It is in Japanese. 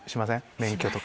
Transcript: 免許とか。